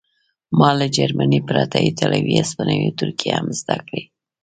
ما له جرمني پرته ایټالوي هسپانوي او ترکي هم زده کړې